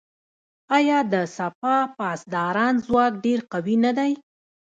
آیا د سپاه پاسداران ځواک ډیر قوي نه دی؟